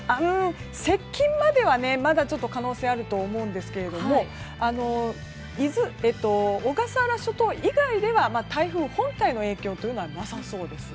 接近まではまだちょっと可能性があると思いますが小笠原諸島以外では台風本体の影響というのはなさそうです。